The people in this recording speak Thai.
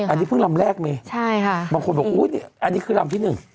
อันนี้ลำแรกเท่านั้นเอง